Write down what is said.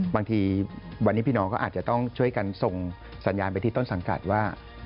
บางทีวันนี้พี่น้องก็อาจจะต้องช่วยกันส่งสัญญาณไปที่ต้นสังกัดว่า